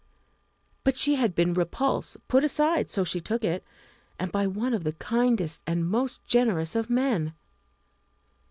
But she had been repulsed put aside, so she took it and by one of the kindest and most generous of men!